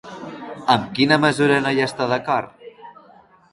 Amb quina mesura no hi està d'acord?